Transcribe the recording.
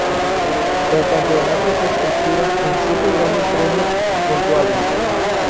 El campeonato se estructura en siete grandes premios puntuables.